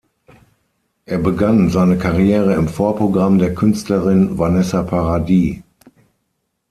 Er begann seine Karriere im Vorprogramm der Künstlerin Vanessa Paradis.